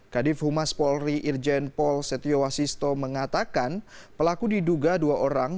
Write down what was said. kadif humas polri irjen pol setio wasisto mengatakan pelaku diduga dua orang